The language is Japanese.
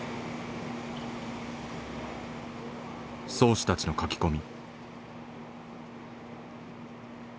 漕手たちの書き込み。